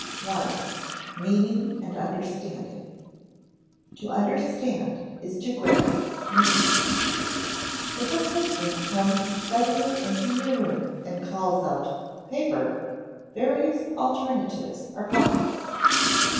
I. MEANING AND UNDERSTANDING [Sidenote: To understand is to grasp meaning] If a person comes suddenly into your room and calls out "Paper," various alternatives are possible.